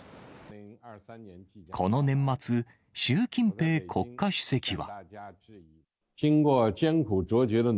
この年末、習近平国家主席は。